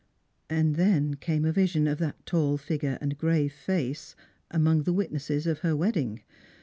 And then came a vi.sion of that tall figure and grave face among the witnesses of her wedding.